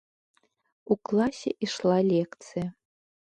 У класе ішла лекцыя.